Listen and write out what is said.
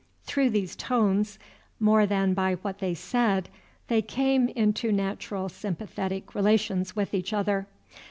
Through these tones, more than by what they said, they came into natural sympathetic relations with each other.